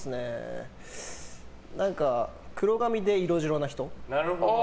黒髪で色白な人。